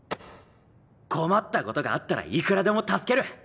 困ったことがあったらいくらでも助ける。